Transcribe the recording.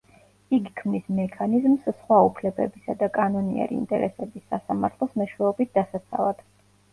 იგი ქმნის მექანიზმს სხვა უფლებებისა და კანონიერი ინტერესების სასამართლოს მეშვეობით დასაცავად.